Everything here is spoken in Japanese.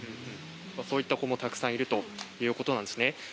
そういった子もたくさんいるということなんですね。